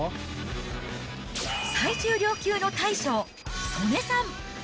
最重量級の大将、素根さん。